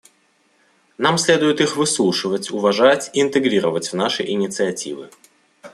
Нам следует их выслушивать, уважать и интегрировать в наши инициативы.